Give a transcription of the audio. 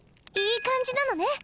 いい感じなのね？